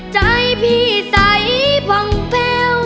ใจพี่ใสป่องแพ้ว